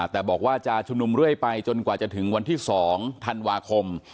แต่บอกว่าจะชุมนุมเรื่อยไปจนกว่าจะถึงวันที่๒ธันวาคม